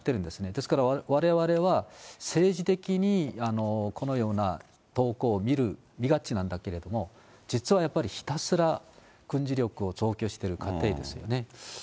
ですからわれわれは、政治的にこのような動向を見がちなんだけれども、実はやっぱりひたすら、軍事力を増強している過程ですよね。